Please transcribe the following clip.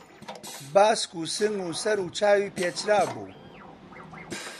باسک و سنگ و سەر و چاوی پێچرابوو